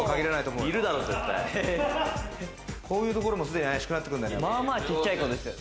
こういうところも怪しくなってくるんだよね。